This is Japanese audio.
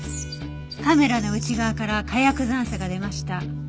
カメラの内側から火薬残渣が出ました。